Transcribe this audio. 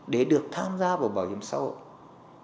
để được tham gia vào bảo hiểm xã hội